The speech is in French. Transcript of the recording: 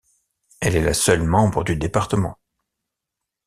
Elle est la seule membre du département.